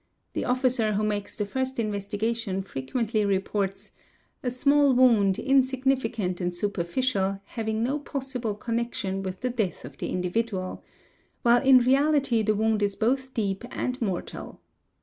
The officer who makes the first investigation frequently reports, '"'a small wound, insignificant and superficial, having no possible sonnection with the death of the individual', while in reality the wound is both deep and mortal.